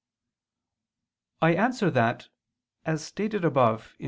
I answer that, As stated above (Q.